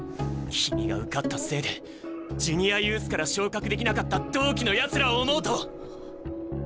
君が受かったせいでジュニアユースから昇格できなかった同期のやつらを思うと。